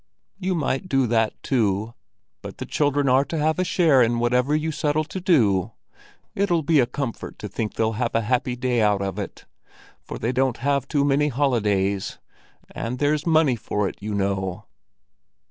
"You might do that, too, but the children are to have a share in whatever you settle to do. It'll be a comfort to think they'll have a happy day out of it, for they don't have too many holidays; and there's money for it, you know."